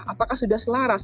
apakah sudah selaras